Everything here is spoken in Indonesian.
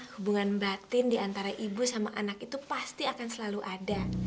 hubungan batin diantara ibu sama anak itu pasti akan selalu ada